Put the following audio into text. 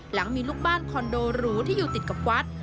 หลังมีลูกบ้านคอนโดหรูที่อยู่ติดกับวัด